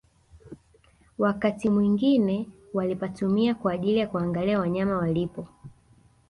Wakati mwingie walipatumia kwa ajili ya kuangalia wanyama walipo